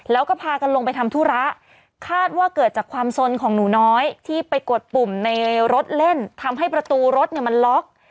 แล้วก็พากันลงไปทำธุระคาดว่าเกิดจากความสนของหนูน้อยที่ไปกดปุ่มในรถเล่นทำให้ประตูรถเนี่ยมันล็อก